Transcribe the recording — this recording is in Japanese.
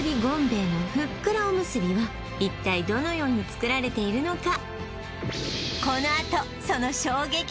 米衛のふっくらおむすびは一体どのように作られているのか？